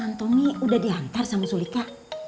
tuhan tommy udah diantar sama sulika